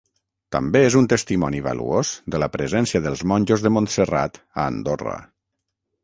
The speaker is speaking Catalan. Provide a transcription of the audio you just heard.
També és un testimoni valuós de la presència dels monjos de Montserrat a Andorra.